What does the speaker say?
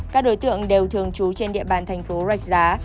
các đối tượng đều thường trú trên địa bàn thành phố rạch giá